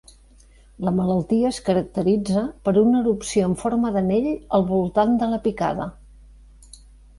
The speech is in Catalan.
La malaltia es caracteritza per una erupció en forma d'anell al voltant de la picada.